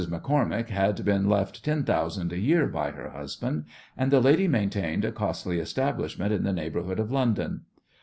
MacCormack had been left ten thousand a year by her husband, and the lady maintained a costly establishment in the neighbourhood of London.